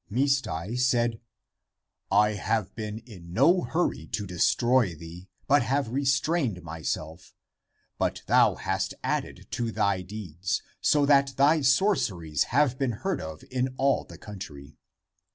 Misdai said, " I have been in no hurry to destroy thee, but have restrained myself; but thou hast added to thy deeds, so that thy sorceries have been heard of in all the country.